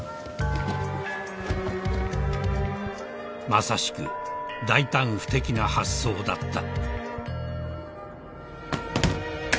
［まさしく大胆不敵な発想だった］